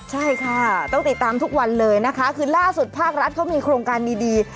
ใช่ค่ะต้องติดตามทุกวันเลยนะคะคือล่าสุดภาครัฐเขามีโครงการดี